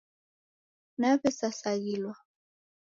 Nawesasaghilwa